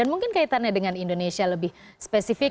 mungkin kaitannya dengan indonesia lebih spesifik